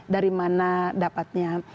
dari mana dapatnya